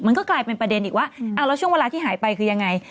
มันก็กลายเป็นประเด็นอีกว่าแล้วช่วงเวลาที่หายไปคือยังไง